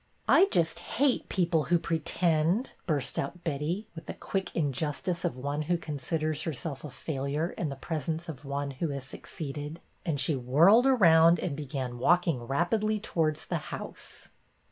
I just hate people who pretend," burst out Betty, with the quick injustice of one who con siders herself a failure in the presence of one who has succeeded, and she whirled around and began walking rapidly towards the house.